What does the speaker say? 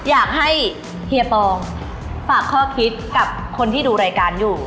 อยากให้เฮียปองฝากข้อคิดกับคนที่ดูรายการอยู่